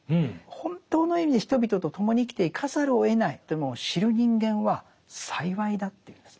本当の意味で人々と共に生きていかざるをえないというものを知る人間は幸いだというんです。